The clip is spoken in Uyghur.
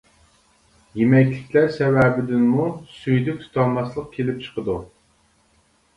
يېمەكلىكلەر سەۋەبىدىنمۇ سۈيدۈك تۇتالماسلىق كېلىپ چىقىدۇ.